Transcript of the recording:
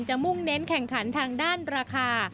มุ่งเน้นแข่งขันทางด้านราคา